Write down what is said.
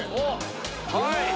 はい！